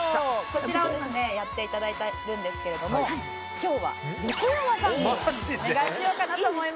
こちらをですねやって頂いてるんですけれども今日は横山さんにお願いしようかなと思います。